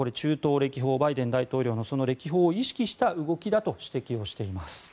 バイデン大統領の中東歴訪を意識した動きだと指摘をしています。